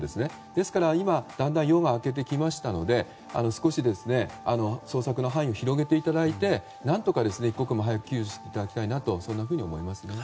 ですから、今だんだん、夜が明けてきたので少し捜索の範囲を広げていただき何とか一刻も早く救助されてほしいなと思いますね。